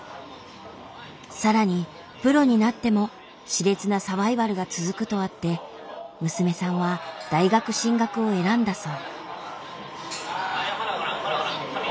さらにプロになっても熾烈なサバイバルが続くとあって娘さんは大学進学を選んだそう。